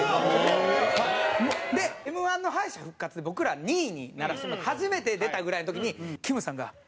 Ｍ‐１の敗者復活で僕ら、２位にならせてもらって初めて出たぐらいの時にきむさんが。